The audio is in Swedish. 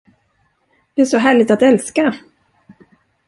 Det är så härligt att älska!